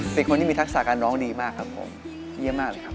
เป็นคนที่มีทักษะการร้องดีมากครับผมเยี่ยมมากเลยครับ